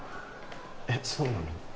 えっそうなの？